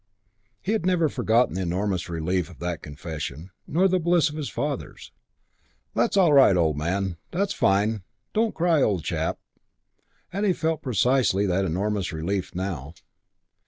He had never forgotten the enormous relief of that confession, nor the bliss of his father's, "That's all right, old man. That's fine. Don't cry, old chap." And he felt precisely that same enormous relief now.